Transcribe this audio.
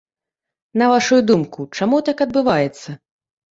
На вашую думку, чаму так адбываецца?